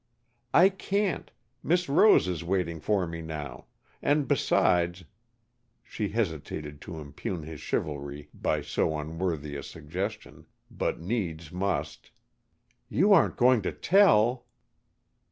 "I can't. Miss Rose is waiting for me now. And besides, " she hesitated to impugn his chivalry by so unworthy a suggestion, but needs must, "you aren't going to _tell?